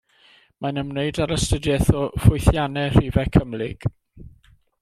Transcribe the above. Mae'n ymwneud â'r astudiaeth o ffwythiannau rhifau cymhlyg.